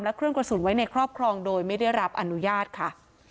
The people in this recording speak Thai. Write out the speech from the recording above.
และเครื่องกระสุนไว้ในครอบครองโดยไม่ได้รับอนุญาตค่ะ